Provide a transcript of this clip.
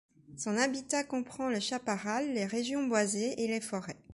Son habitat comprend le chaparral, les régions boisées et les forêts.